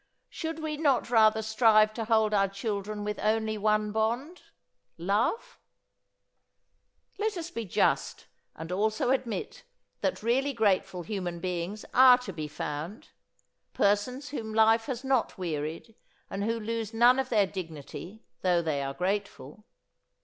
Should we not rather strive to hold our children with only one bond, love? Let us be just and also admit that really grateful human beings are to be found; persons whom life has not wearied and who lose none of their dignity though they are grateful.